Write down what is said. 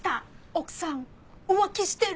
奥さん浮気してる。